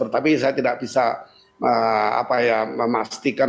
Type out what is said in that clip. tapi saya tidak bisa memastikan